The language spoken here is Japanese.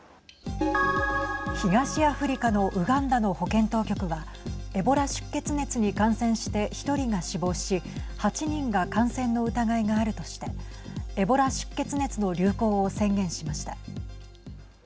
東アフリカのウガンダの保健当局はエボラ出血熱に感染して１人が死亡し８人が感染の疑いがあるとしてエボラ出血熱の流行を宣言しました。